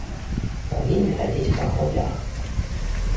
Калі не хадзіць па граблях.